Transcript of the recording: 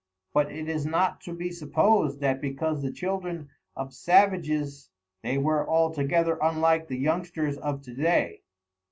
But it is not to be supposed that because the children of savages they were altogether unlike the youngsters of to day.